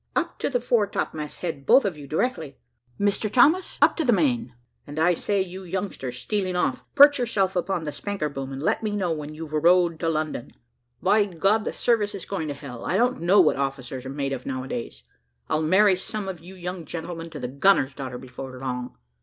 Up to the fore topmast head, both of you directly. Mr Thomas, up to the main; and I say, you youngster, stealing off, perch yourself upon the spanker boom, and let me know when you've rode to London. By God! the service is going to hell. I don't know what officers are made of now a days. I'll marry some of you young gentlemen to the gunner's daughter before long.